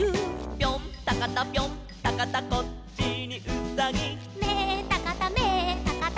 「ピョンタカタピョンタカタこっちにうさぎ」「メエタカタメエタカタ」